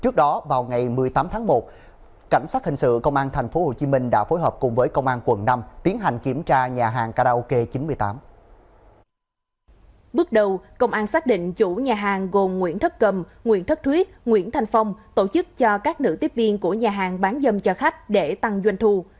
công an xác định chủ nhà hàng gồm nguyễn thất cầm nguyễn thất thuyết nguyễn thanh phong tổ chức cho các nữ tiếp viên của nhà hàng bán dâm cho khách để tăng doanh thu